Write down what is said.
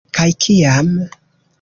Kaj kiam.